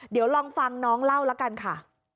เดี๋ยวลองฟังน้องเล่าละกันค่ะ